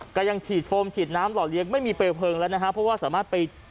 ก็ยังฉีดโฟมฉีดน้ำหล่อเลี้ยงไม่มีเปลวเพลิงแล้วนะฮะเพราะว่าสามารถไป